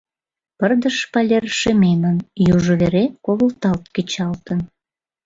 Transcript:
Пырдыж шпалер шемемын, южо вере ковылталт кечалтын.